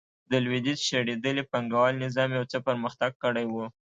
د لوېدیځ شړېدلي پانګوال نظام یو څه پرمختګ کړی و.